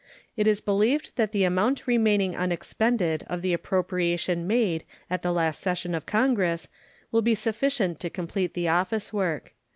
It is believed that the amount remaining unexpended of the appropriation made at the last session of Congress will be sufficient to complete the office work.